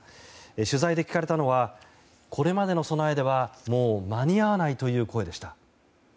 取材で聞かれたのはこれまでの備えではもう間に合わないという声でした。